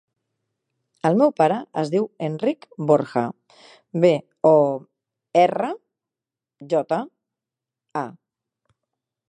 El meu pare es diu Enric Borja: be, o, erra, jota, a.